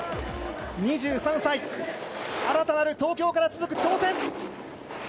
２３歳新たなる東京から続く挑戦。